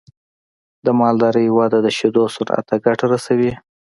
د مالدارۍ وده د شیدو صنعت ته ګټه رسوي.